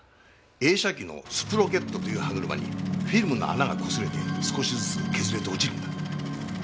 映写機のスプロケットという歯車にフィルムの穴がこすれて少しずつ削れて落ちるんだ。